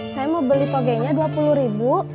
saya mau beli togenya dua puluh ribu